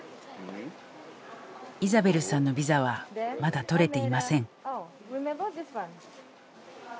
イザベルさんのビザはまだ取れていません。